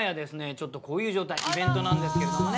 ちょっとこういう状態イベントなんですけれどもね。